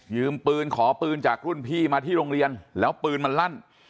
ปืนขอปืนจากรุ่นพี่มาที่โรงเรียนแล้วปืนมันลั่น